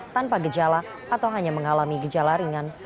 tanpa gejala atau hanya mengalami gejala ringan